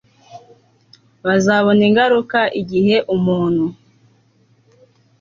bazabona ingaruka igihe umuntu